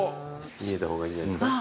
見えた方がいいんじゃないっすか。